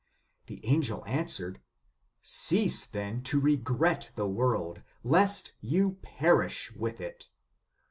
The angel answered :" Cease then to regret the world, lest you perish with it.